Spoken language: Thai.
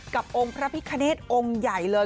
กับองค์พระพิฆาเนตองค์ใหญ่เลย